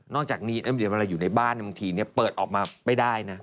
จากนี้เวลาอยู่ในบ้านบางทีเปิดออกมาไม่ได้นะ